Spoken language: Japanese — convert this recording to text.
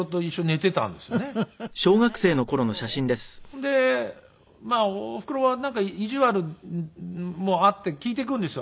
それでおふくろはなんか意地悪もあって聞いてくるんですよ。